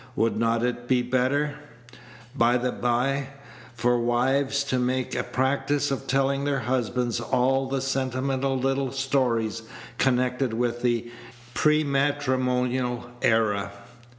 Would it not be better, by the by, for wives to make a practice of telling their husbands all the sentimental little stories connected with the prematrimonial era?